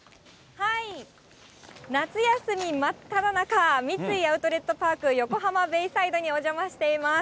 夏休み真っただ中、三井アウトレットパーク横浜ベイサイドにお邪魔しています。